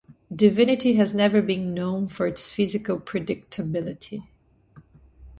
Divinity has never been known for its physical predictability.